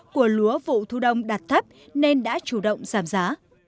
của lúa vụ thu đông đạt thấp nên đã chủ động giảm giá